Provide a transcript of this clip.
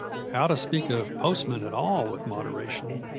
How to speak of postmen at all with moderation!